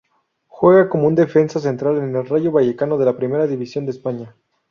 Juega como defensa central en el Rayo Vallecano de la Primera División de España.